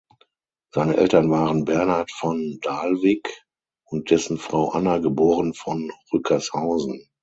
Seine Eltern waren Bernhard von Dalwigk und dessen Frau Anna geboren von Rückershausen.